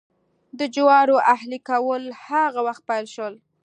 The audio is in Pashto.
د جوارو اهلي کول هغه وخت پیل شول.